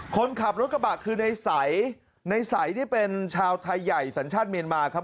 คนขับรถกระบะคือในใสในใสนี่เป็นชาวไทยใหญ่สัญชาติเมียนมาครับ